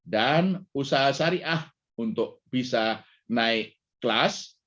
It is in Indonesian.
dan usaha sariah untuk bisa naik kelas